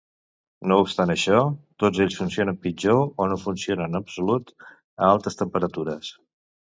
No obstant això, tots ells funcionen pitjor o no funcionen en absolut a altes temperatures.